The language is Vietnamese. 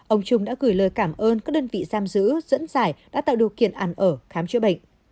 ông trung đã gửi lời cảm ơn các đơn vị giam giữ dẫn giải đã tạo điều kiện ăn ở khám chữa bệnh